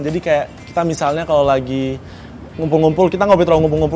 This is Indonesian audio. jadi kayak kita misalnya kalau lagi ngumpul ngumpul kita gak boleh terlalu ngumpul ngumpul